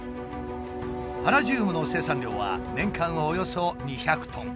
パラジウムの生産量は年間およそ２００トン。